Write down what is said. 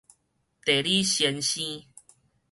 地理先生